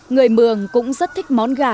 người mường cũng rất thích món gà